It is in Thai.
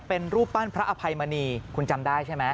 เป็นรูปปั้นพระอภัยมณีคุณจำได้ใช่ไหม